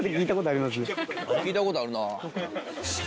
聞いたことあるな。